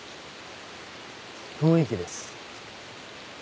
雰囲気です。